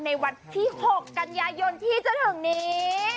ในวันที่๖กันยายนที่จะถึงนี้